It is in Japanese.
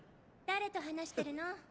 誰と話してるの？